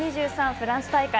フランス大会。